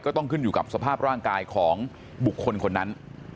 ต้องขึ้นอยู่กับสภาพร่างกายของบุคคลคนนั้น